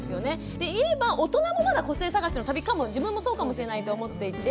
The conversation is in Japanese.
で今大人もまだ個性探しの旅かも自分もそうかもしれないと思っていて。